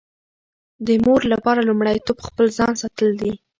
د مور لپاره لومړیتوب خپل ځان ساتل دي.